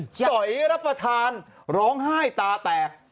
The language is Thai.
สอยรับประทานร้องไห้ตาแตก